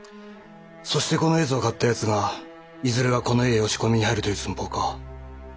そしてこの絵図を買った奴がいずれはこの家へ押し込みに入るという寸法か。